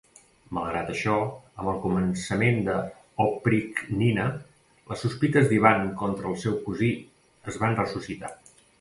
Malgrat això, amb el començament de Oprichnina, les sospites d'Ivan contra el seu cosí es van ressuscitar.